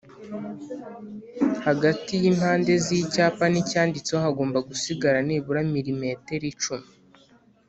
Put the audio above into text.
hagati y’impande z’icyapa n’icyanditseho hagomba gusigara nibura milimetero icumi